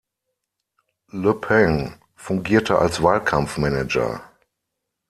Le Pen fungierte als Wahlkampf-Manager.